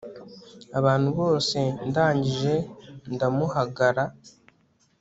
abantu bose ndangije ndamuhagara